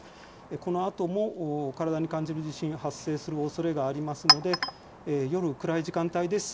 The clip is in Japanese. このあとも体に感じる地震が発生するおそれがありますので夜暗い時間帯です。